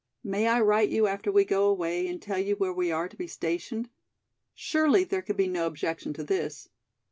"May I write you after we go away and tell you where we are to be stationed? Surely there could be no objection to this.